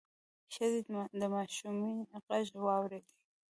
ښځې د ماشومې غږ واورېد: